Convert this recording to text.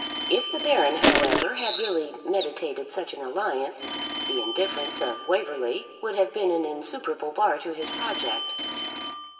If the Baron, however, had really meditated such an alliance, the indifference of Waverley would have been an insuperable bar to his project.